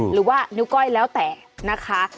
หรือว่านิ้วก้อยแล้วแต่นะคะ